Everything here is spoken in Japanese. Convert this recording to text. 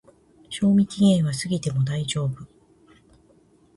賞味期限は過ぎても大丈夫